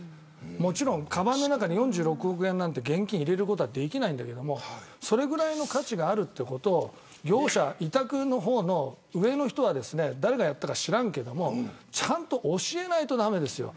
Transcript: もちろん、かばんの中に４６億円なんて現金入れることはできませんがそれぐらいの価値があるってことを委託業者の上の方は誰がやったか知らんけどちゃんと教えないと駄目ですよ。